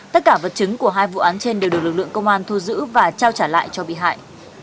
tất cả vật chứng của hai vụ án trên đều được lực lượng công an thu giữ và trao trả lại cho bị hại